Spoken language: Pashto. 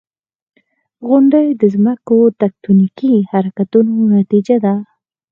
• غونډۍ د ځمکې د تکتونیکي حرکتونو نتیجه ده.